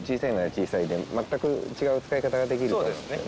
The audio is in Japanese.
小さいで全く違う使い方ができると思うんですよね。